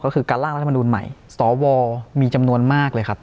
ก็คือการล่างรัฐมนูลใหม่สวมีจำนวนมากเลยครับ